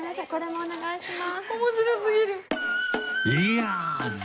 お願いします。